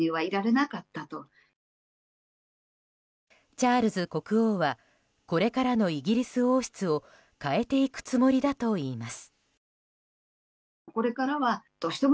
チャールズ国王はこれからのイギリス王室を変えていくつもりだといいます。